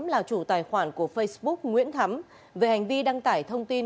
là chủ tài khoản của facebook nguyễn thắm về hành vi đăng tải thông tin